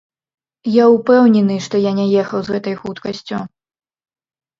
Я упэўнены, што я не ехаў з гэтай хуткасцю.